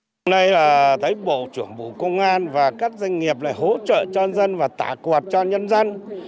hôm nay là thấy bộ trưởng bộ công an và các doanh nghiệp lại hỗ trợ cho nhân dân và tả quạt cho nhân dân